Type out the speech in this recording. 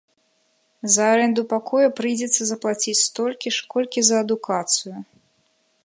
За арэнду пакоя прыйдзецца заплаціць столькі ж, колькі за адукацыю.